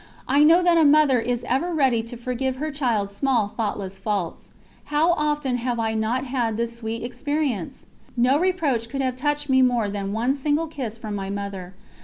I know that a mother is ever ready to forgive her child's small thoughtless faults. How often have I not had this sweet experience! No reproach could have touched me more than one single kiss from my Mother.